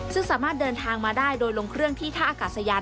ซึ่งสามารถเดินทางมาได้โดยลงเครื่องที่ท่าอากาศยาน